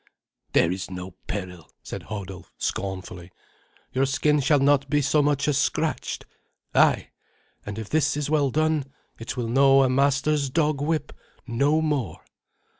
"There is no peril," said Hodulf scornfully; "your skin shall not be so much as scratched ay, and if this is well done it will know a master's dog whip no more."